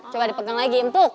coba dipegang lagi empuk